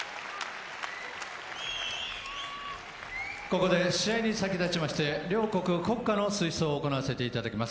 ここで試合に先立ちまして両国国歌の吹奏をさせていただきます。